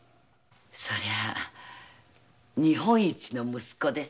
そりゃあ日本一の息子です。